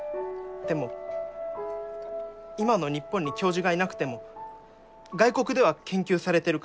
でも今の日本に教授がいなくても外国では研究されてるかも。